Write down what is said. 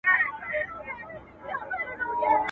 هر څوک له خپله سره اور وژني.